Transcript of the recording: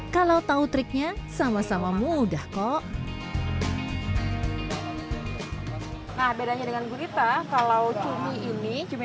kalau tahu triknya sama sama mudah kok nah bedanya dengan gurita kalau cumi ini cumi